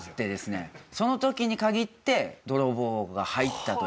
その時に限って泥棒が入ったという。